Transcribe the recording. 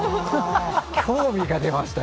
興味が出ましたよ。